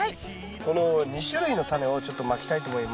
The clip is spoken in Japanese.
この２種類のタネをちょっとまきたいと思います。